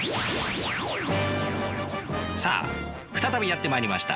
さあ再びやってまいりました